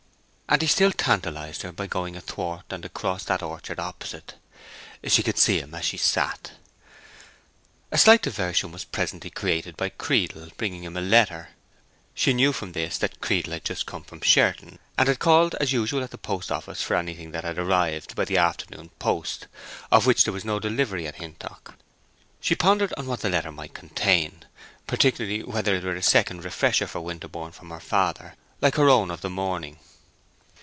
And he still tantalized her by going athwart and across that orchard opposite. She could see him as she sat. A slight diversion was presently created by Creedle bringing him a letter. She knew from this that Creedle had just come from Sherton, and had called as usual at the post office for anything that had arrived by the afternoon post, of which there was no delivery at Hintock. She pondered on what the letter might contain—particularly whether it were a second refresher for Winterborne from her father, like her own of the morning.